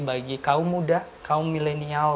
bagi kaum muda kaum milenial